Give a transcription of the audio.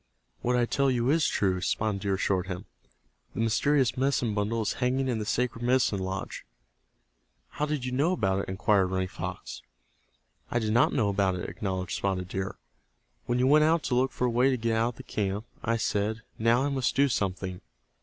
"What I tell you is true," Spotted Deer assured him. "The mysterious medicine bundle is hanging in the sacred medicine lodge." "How did you know about it?" inquired Running Fox. "I did not know about it," acknowledged Spotted Deer. "When you went out to look for a way to get out of the camp, I said, 'Now I must do something.